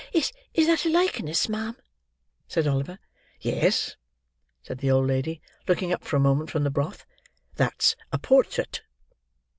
"Is—is that a likeness, ma'am?" said Oliver. "Yes," said the old lady, looking up for a moment from the broth; "that's a portrait."